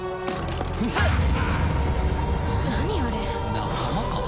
仲間か？